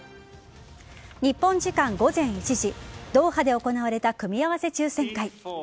日本時間午前１時ドーハで行われた組み合わせ抽選会。